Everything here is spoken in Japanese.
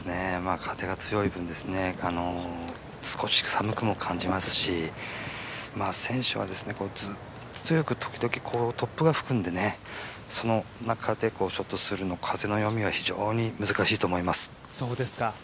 風が強い分、少し寒くも感じますし選手は、強く時々突風が吹くのでその中でショットするの、風の読みが非常に難しいと思います。